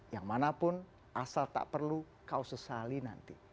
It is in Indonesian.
yang manapun asal tak perlu kau sesali nanti